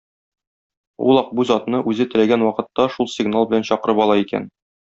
Ул Акбүз атны үзе теләгән вакытта шул сигнал белән чакырып ала икән.